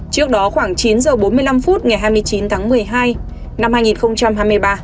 trước đó khoảng chín h bốn mươi năm phút ngày hai mươi chín tháng một mươi hai năm hai nghìn hai mươi ba